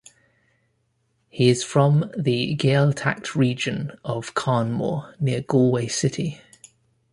He is from the Gaeltacht region of Carnmore, near Galway city.